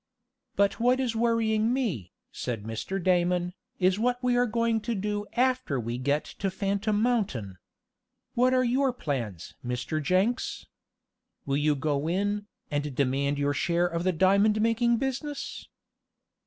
"But what is worrying me," said Mr. Damon, "is what we are going to do after we get to Phantom Mountain. What are your plans, Mr. Jenks? Will you go in, and demand your share of the diamond making business?"